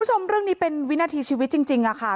คุณผู้ชมเรื่องนี้เป็นวินาทีชีวิตจริงค่ะ